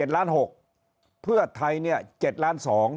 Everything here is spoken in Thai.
๑ล้าน๖เพื่อไทยเนี่ย๗ล้าน๒